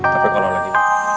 tapi kalau lagi